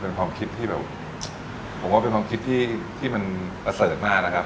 เป็นความคิดที่แบบผมว่าเป็นความคิดที่มันประเสริฐมากนะครับ